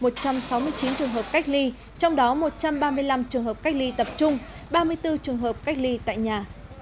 một trăm sáu mươi chín trường hợp cách ly trong đó một trăm ba mươi năm trường hợp cách ly tập trung ba mươi bốn trường hợp cách ly tại nhà